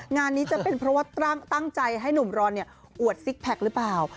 งานนี้จะเป็นเพราะว่าตั้งใจให้หนุ่มรอนอวดซิกแพคหรือเปล่า